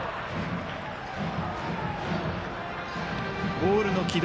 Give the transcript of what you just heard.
ボールの軌道